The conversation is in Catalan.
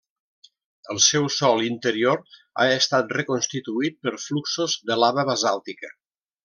El seu sòl interior ha estat reconstituït per fluxos de lava basàltica.